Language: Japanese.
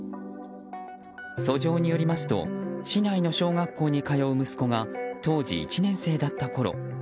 訴状によりますと市内の小学校に通う息子が当時１年生だったころ